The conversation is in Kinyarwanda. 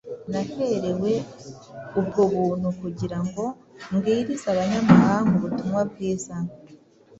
naherewe ubwo buntu kugira ngo mbwirize abanyamahanga ubutumwa bwiza